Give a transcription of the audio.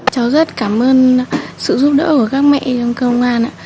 cháu rất cảm ơn sự giúp đỡ của các mẹ trong công an